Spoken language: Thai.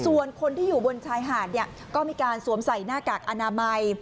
ส่วนคนที่อยู่บนชายหาดก็มีการสวมใส่หน้ากากอนามัย